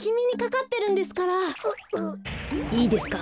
いいですか？